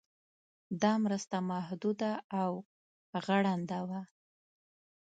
دا مرسته محدوده او غړنده وه.